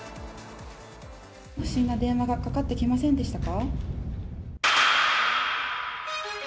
不審な電話がかかってきませんでしたか。